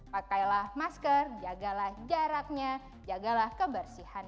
pakailah masker jagalah jaraknya jagalah kebersihan